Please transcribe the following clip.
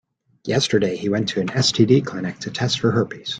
Yesterday, he went to an STD clinic to test for herpes.